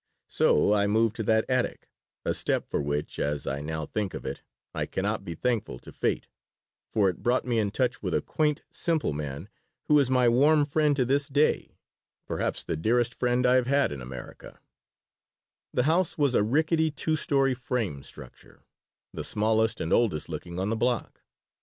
So I moved to that attic, a step for which, as I now think of it, I cannot but be thankful to fate, for it brought me in touch with a quaint, simple man who is my warm friend to this day, perhaps the dearest friend I have had in America The house was a rickety, two story frame structure, the smallest and oldest looking on the block.